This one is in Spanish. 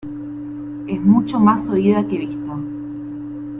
Es mucho más oída que vista.